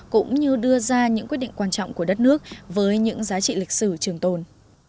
cũng như đưa ra những quyết định quan trọng của đất nước với những giá trị lịch sử trường tồn